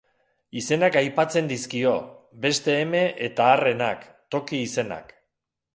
Izenak aipatzen dizkio, beste eme eta arrenak, toki izenak.